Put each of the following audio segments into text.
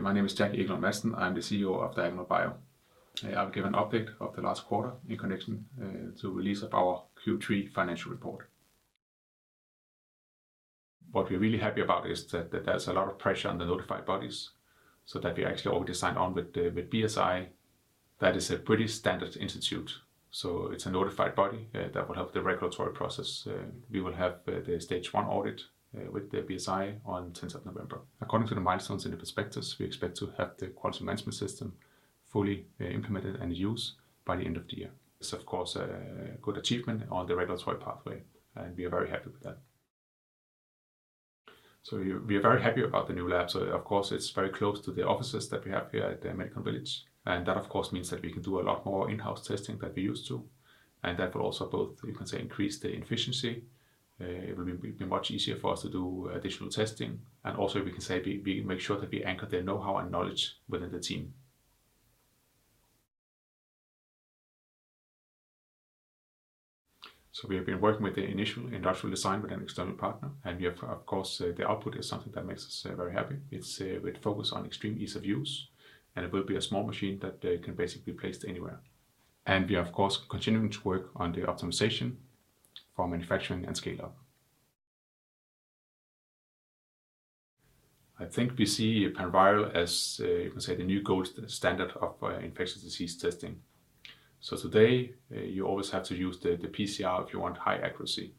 My name is Jack Egelund Madsen. I'm the CEO of Diagonal Bio. I'll give an update of the last quarter in connection to release of our Q3 financial report. What we're really happy about is that there's a lot of pressure on the notified bodies, so that we actually already signed on with with BSI. That is British Standards Institution, so it's a notified body that will help the regulatory process. We will have the stage one audit with the BSI on 10th of November. According to the milestones in the prospectus, we expect to have the quality management system fully implemented and in use by the end of the year. It's of course a good achievement on the regulatory pathway, and we are very happy with that. We are very happy about the new lab. Of course, it's very close to the offices that we have here at the Medicon Village. That of course means that we can do a lot more in-house testing than we used to. That will also both, you can say, increase the efficiency. It will be much easier for us to do additional testing. Also we can say we make sure that we anchor the know-how and knowledge within the team. We have been working with the initial industrial design with an external partner. Of course, the output is something that makes us very happy. It's with focus on extreme ease of use, and it will be a small machine that can basically be placed anywhere. We are of course continuing to work on the optimization for manufacturing and scale-up. I think we see PANVIRAL as, you can say the new gold standard of infectious disease testing. Today, you always have to use the PCR if you want high accuracy.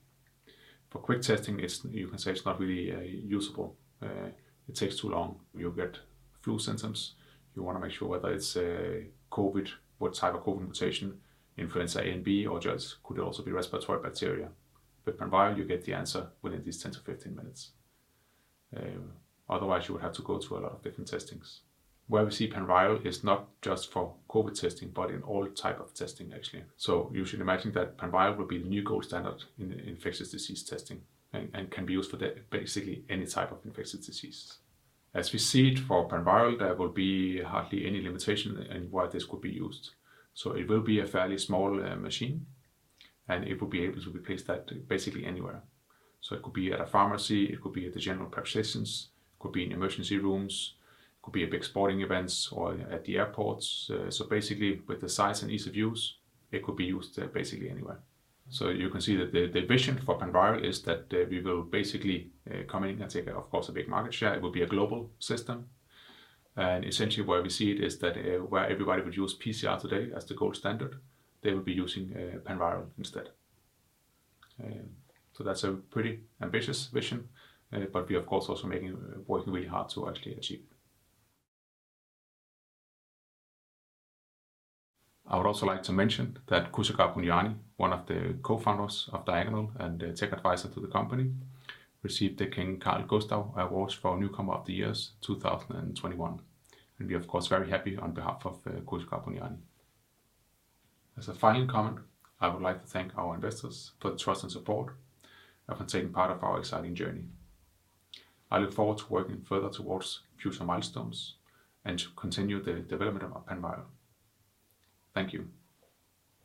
For quick testing, you can say it's not really usable. It takes too long. You'll get flu symptoms. You wanna make sure whether it's COVID, what type of COVID mutation, influenza A and B, or just could also be respiratory bacteria. With PANVIRAL, you get the answer within these 10-15 minutes. Otherwise you would have to go through a lot of different testings. Where we see PANVIRAL is not just for COVID testing, but in all type of testing actually. You should imagine that PANVIRAL will be the new gold standard in infectious disease testing and can be used for the Basically any type of infectious disease. As we see it for PANVIRAL, there will be hardly any limitation in where this could be used. It will be a fairly small machine, and it will be able to be placed at basically anywhere. It could be at a pharmacy, it could be at the general practitioners, it could be in emergency rooms, it could be at big sporting events or at the airports. Basically with the size and ease of use, it could be used basically anywhere. You can see that the vision for PANVIRAL is that we will basically come in and take a, of course, a big market share. It will be a global system. Essentially where we see it is that, where everybody would use PCR today as the gold standard, they will be using PANVIRAL instead. That's a pretty ambitious vision, but we are of course also working really hard to actually achieve. I would also like to mention that Kushagr Punyani, one of the co-founders of Diagonal and the tech advisor to the company, received the King Carl Gustaf Award for Newcomer of the Year 2021. We are of course very happy on behalf of Kushagr Punyani. As a final comment, I would like to thank our investors for the trust and support and for taking part in our exciting journey. I look forward to working further towards future milestones and to continue the development of PANVIRAL. Thank you.